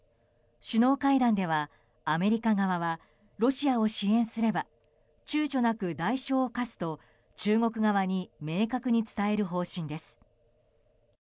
首脳会合ではアメリカ側はロシアを支援すれば躊躇なく代償を科すと中国側に明確に伝える方針です。